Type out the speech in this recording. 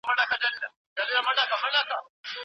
دوی به د خپلو غوښتنو د کمولو لپاره په خدای توکل کاوه.